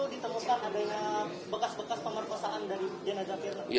ditemukan adanya bekas bekas